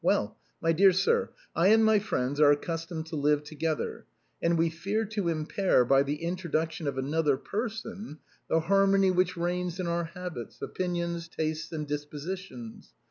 Well, my dear sir, I and my friends are accustomed to live together, and we fear to impair, by the introduction of another per son, the harmony which reigns in our habits, opinions, tastes, and dispositions.